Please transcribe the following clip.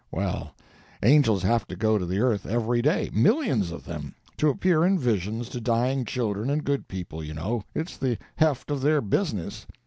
Well, angels have to go to the earth every day—millions of them—to appear in visions to dying children and good people, you know—it's the heft of their business.